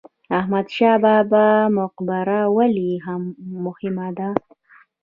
احمد شاه بابا مقبره ولې مهمه ده؟